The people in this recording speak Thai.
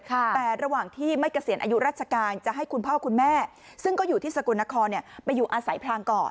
แต่ระหว่างที่ไม่เกษียณอายุราชการจะให้คุณพ่อคุณแม่ซึ่งก็อยู่ที่สกลนครไปอยู่อาศัยพรางก่อน